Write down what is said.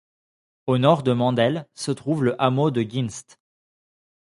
Au nord de la Mandel, se trouve le hameau de Ginste.